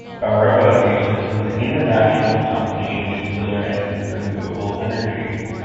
Areva is an international company in nuclear and renewable energy.